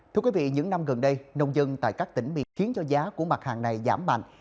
thưa quý vị những năm gần đây nông dân tại các tỉnh bị khiến cho giá của mặt hàng này giảm mạnh